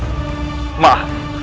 aku tidak bisa melakukannya